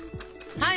はい。